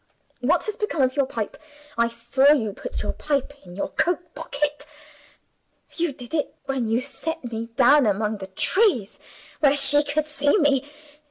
What has become of your pipe? I saw you put your pipe in your coat pocket. You did it when you set me down among the trees where she could see me!